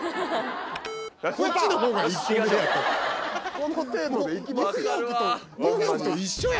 この程度で行きますよ？